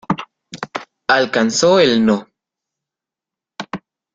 Alcanzó el No.